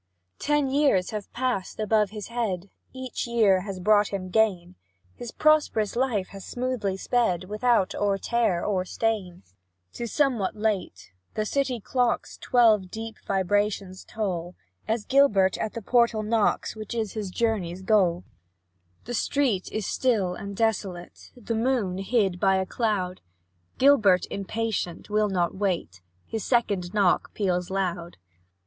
Ten years have passed above his head, Each year has brought him gain; His prosperous life has smoothly sped, Without or tear or stain. 'Tis somewhat late the city clocks Twelve deep vibrations toll, As Gilbert at the portal knocks, Which is his journey's goal. The street is still and desolate, The moon hid by a cloud; Gilbert, impatient, will not wait, His second knock peals loud.